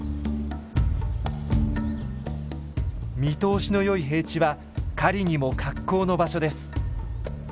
見通しのよい平地は狩りにも格好の場所です。